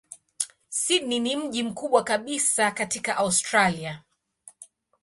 Sydney ni mji mkubwa kabisa katika Australia.